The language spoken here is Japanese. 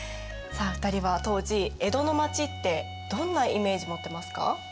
さあ２人は当時江戸の町ってどんなイメージ持ってますか？